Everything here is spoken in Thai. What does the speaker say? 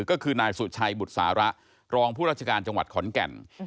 ก็คือนายสุชัยบุษาระรองผู้ราชการจังหวัดขอนแก่น